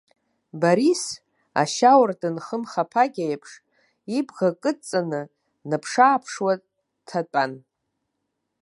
Борис, ашьауардын хымхаԥагьа еиԥш, ибӷа кыдҵаны днаԥшы-ааԥшуа дҭатәан.